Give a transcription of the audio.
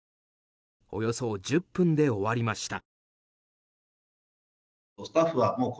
およそ１０分で終わりました。